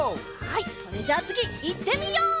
はいそれじゃあつぎいってみよう！